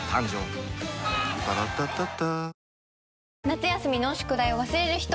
夏休みの宿題を忘れる人。